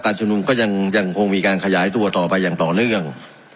ชุมนุมก็ยังคงมีการขยายตัวต่อไปอย่างต่อเนื่อง